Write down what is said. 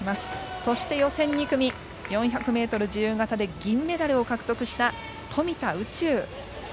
そして予選２組４００ｍ自由形で銀メダルを獲得した富田宇宙。